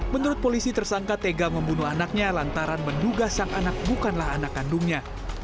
menurut polisi tersangka tega membunuh anaknya lantaran menduga sang anak bukanlah anak kandungnya